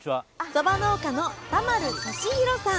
そば農家の田丸利博さん。